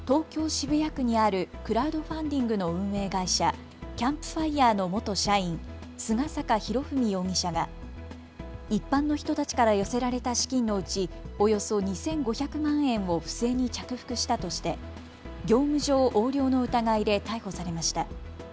渋谷区にあるクラウドファンディングの運営会社、ＣＡＭＰＦＩＲＥの元社員、菅坂博史容疑者が一般の人たちから寄せられた資金のうちおよそ２５００万円を不正に着服したとして業務上横領の疑いで逮捕されました。